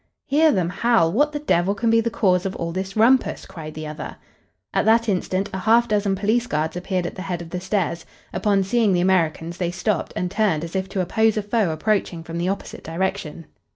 "Hear them howl! What the devil can be the cause of all this rumpus?" cried the other. At that instant a half dozen police guards appeared at the head of the stairs. Upon seeing the Americans they stopped and turned as if to oppose a foe approaching from the opposite direction.